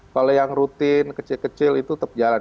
kalau yang rutin kecil kecil itu tetap jalan